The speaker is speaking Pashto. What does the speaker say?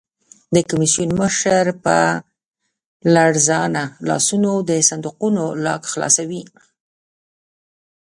د کمېسیون مشر په لړزانه لاسونو د صندوقونو لاک خلاصوي.